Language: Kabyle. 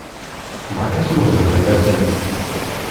Berka asmuhbel fell-asen!